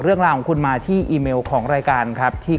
เรื่องราวของคุณมาที่อีเมลของรายการครับ